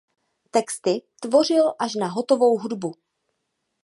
Texty tvořil až na hotovou hudbu.